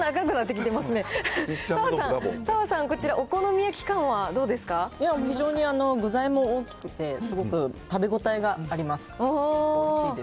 澤さん、こちら、非常に具材も大きくて、すごく食べ応えがあります。